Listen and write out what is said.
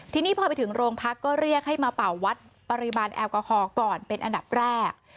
ทีนี้พอไปถึงโรงพักก็เรียกให้มาเป่าวัดปริมาณแอลกอฮอลก่อนเป็นอันดับแรก